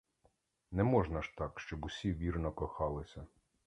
Не можна ж так, щоб усі вірно кохалися.